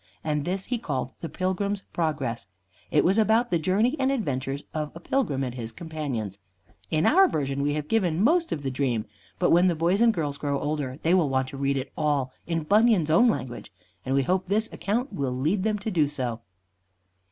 And this he called "The Pilgrim's Progress." It was about the journey and adventures of a pilgrim and his companions. In our version we have given most of the dream, but when the boys and girls grow older they will want to read it all in Bunyan's own language, and we hope this account will lead them to do so.